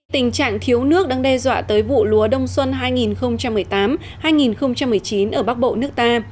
tình trạng thiếu nước đang đe dọa tới vụ lúa đông xuân hai nghìn một mươi tám hai nghìn một mươi chín ở bắc bộ nước ta